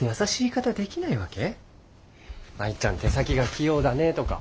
舞ちゃん手先が器用だねとか。